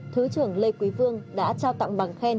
thứ trưởng lê quý vương đã trao tặng bằng khen